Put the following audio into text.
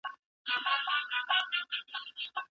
عصبيت ساتنه غواړي.